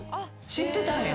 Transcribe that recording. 知ってたんや。